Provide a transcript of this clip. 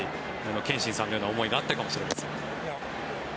憲伸さんのような思いがあったかもしれません。